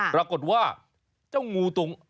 ปรากฏว่าเจ้างูตรง